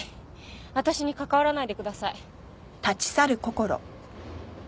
私に関わらないでください。